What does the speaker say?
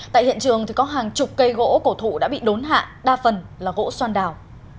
tại hiện trường có hàng chục cây gỗ cổ thụ đã bị đốn hạ đa phần là gỗ xoan đào